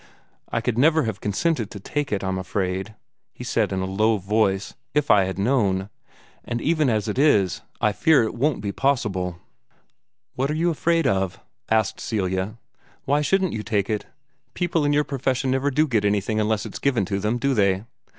"I could never have consented to take it, I'm afraid," he went on in a low voice, "if I had known. And even as it is, I fear it won't be possible." "What are you afraid of?" asked Celia. "Why shouldn't you take it? People in your profession never do get anything unless it's given to them, do they?